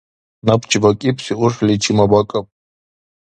Набчи бакӀибси урхӀличи мабакӀаб!